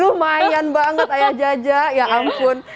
lumayan banget ayah jaja ya ampun